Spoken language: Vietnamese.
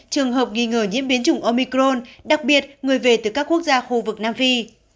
trường hợp nghi ngờ nhiễm biến chủng omicron đặc biệt người về từ các quốc gia khu vực nam phi